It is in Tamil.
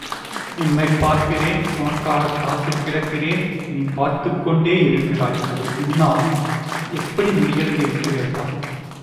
உன்னைப் பார்க்கிறேன் உனக்காகக் காத்துக் கிடக்கிறேன் நீ பார்த்துக்கொண்டே இருக்கிறாய் அது உன்னால் எப்படி முடிகிறது என்று கேட்டாள்.